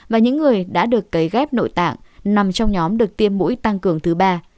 và những người đã được cấy ghép nội tạng nằm trong nhóm được tiêm mũi tăng cường thứ ba